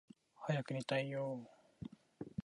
早く寝たいよーー